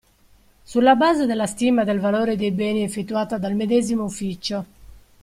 Sulla base della stima del valore dei beni effettuata dal medesimo ufficio.